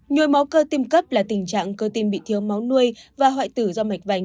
nhồi máu cơ tim cấp là tình trạng cơ tim bị thiếu máu nuôi và hoại tử do mạch vành